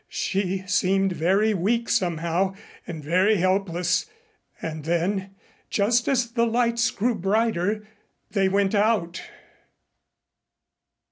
She seemed very weak somehow, and very helpless. And then, just as the lights grew brighter they went out.